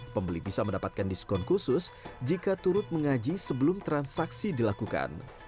pembeli bisa mendapatkan diskon khusus jika turut mengaji sebelum transaksi dilakukan